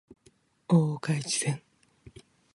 大岡越前